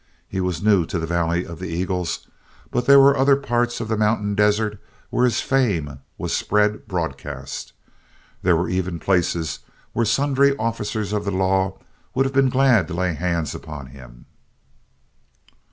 He was new to the Valley of the Eagles, but there were other parts of the mountain desert where his fame was spread broadcast. There were even places where sundry officers of the law would have been glad to lay hands upon him.